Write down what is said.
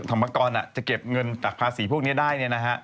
ธรรมกรจะเก็บเงินจากภาษีพวกนี้ได้